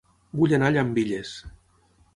Vull anar a Llambilles